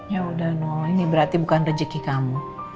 ya udah nol ini berarti bukan rezeki kamu